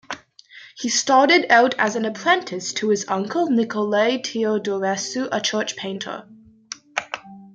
He started out as an apprentice to his uncle Nicolae Teodorescu, a church painter.